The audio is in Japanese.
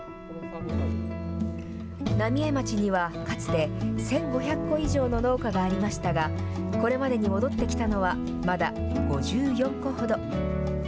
浪江町にはかつて、１５００戸以上の農家がありましたが、これまでに戻ってきたのはまだ５４戸ほど。